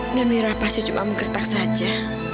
ini merah pasti cuma menggertak saja